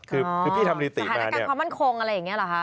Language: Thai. คือพี่ทำนิติฐานการความมั่นคงอะไรอย่างนี้เหรอคะ